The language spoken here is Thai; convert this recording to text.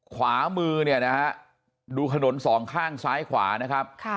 ขวามือเนี่ยนะฮะดูถนนสองข้างซ้ายขวานะครับ